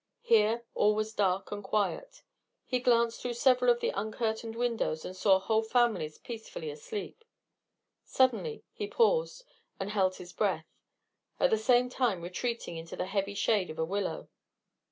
Here all was dark and quiet. He glanced through several of the uncurtained windows and saw whole families peacefully asleep. Suddenly he paused and held his breath, at the same time retreating into the heavy shade of a willow.